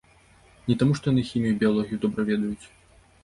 Не таму, што яны хімію і біялогію добра ведаюць.